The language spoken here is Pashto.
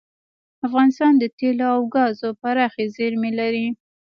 افغانستان د تیلو او ګازو پراخې زیرمې لري.